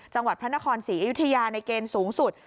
จังหวัดพระนครศรีอยุธยาในเกณฑ์สูงสุด